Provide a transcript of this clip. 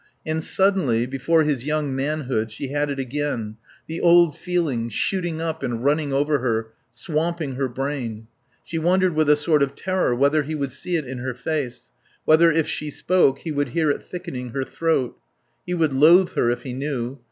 And suddenly, before his young manhood, she had it again, the old feeling, shooting up and running over her, swamping her brain. She wondered with a sort of terror whether he would see it in her face, whether if she spoke he would hear it thickening her throat. He would loathe her if he knew.